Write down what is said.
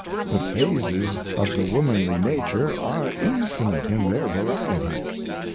The phases of the womanly nature are infinite in their variety.